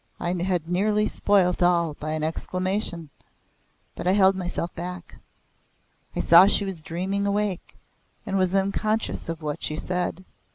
I had nearly spoilt all by an exclamation, but I held myself back. I saw she was dreaming awake and was unconscious of what she said.